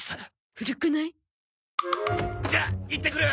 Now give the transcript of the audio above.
古くない？じゃ行ってくる！